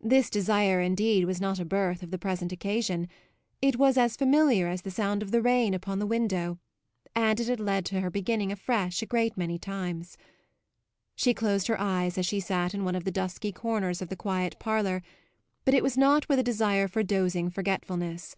This desire indeed was not a birth of the present occasion; it was as familiar as the sound of the rain upon the window and it had led to her beginning afresh a great many times. She closed her eyes as she sat in one of the dusky corners of the quiet parlour; but it was not with a desire for dozing forgetfulness.